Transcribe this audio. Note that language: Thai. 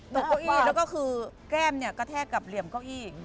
เก้าอี้แล้วก็คือแก้มเนี่ยกระแทกกับเหลี่ยมเก้าอี้